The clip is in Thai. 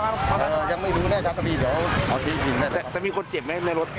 ยังไม่รู้แม่กันแต่มีคนเจ็บไหมในรถ